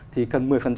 thì cần một mươi